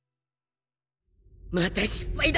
また失敗だ！